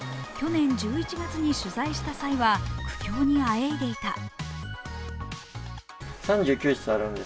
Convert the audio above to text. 去年１１月に取材した際は苦境にあえいでいた。